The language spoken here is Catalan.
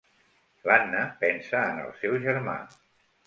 L'Anna pensa en el seu germà.